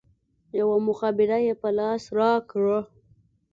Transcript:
يوه مخابره يې په لاس راکړه.